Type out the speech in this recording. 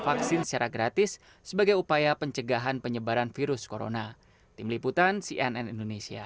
vaksin secara gratis sebagai upaya pencegahan penyebaran virus corona tim liputan cnn indonesia